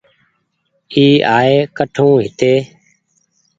اي آئي ڪٺون هيتي ۔